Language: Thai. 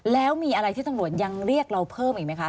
แล้วมีอะไรที่ตำรวจยังเรียกเราเพิ่มอีกไหมคะ